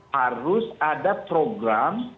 harus ada program